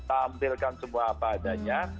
tampilkan semua apa adanya